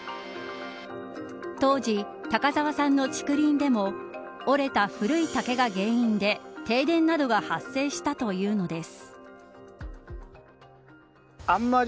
当時、高澤さんの竹林でも折れた古い竹が原因で停電などが発生したというのです。